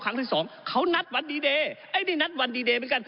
ครั้งที่สองเขานัดวันดีเดย์ไอ้นี่นัดวันดีเดย์เหมือนกัน